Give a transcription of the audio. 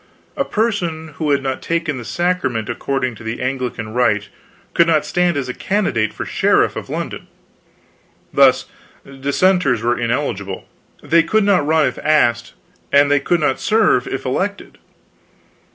A person who had not taken the Sacrament according to the Anglican rite could not stand as a candidate for sheriff of London. Thus Dissenters were ineligible; they could not run if asked, they could not serve if elected.